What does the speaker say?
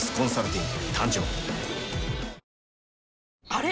あれ？